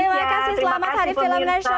terima kasih selamat hari film nasional